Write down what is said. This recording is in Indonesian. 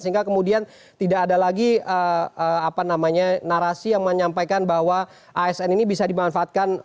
sehingga kemudian tidak ada lagi narasi yang menyampaikan bahwa asn ini bisa dimanfaatkan